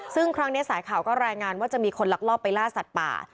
ซึ่งครั้งนี้สายข่าวก็รายงานว่าจะมีคนลักลอบไปล่าสัตว์ป่า